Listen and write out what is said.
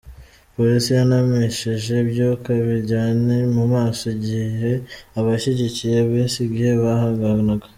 Polisi yanamishije ibyuka biryani mu maso igihe abashyigikiye Besigye bahanganaga.